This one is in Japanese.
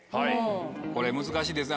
これ難しいですね。